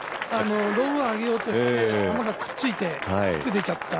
ロブをあげようとしてまだくっついて、出ちゃった。